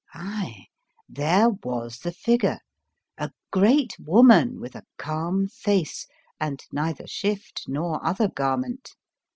Aye, there was the figure, a great woman with a calm face, and neither shift nor other garment.